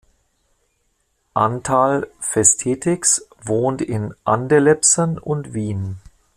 Antal Festetics wohnt in Adelebsen und Wien.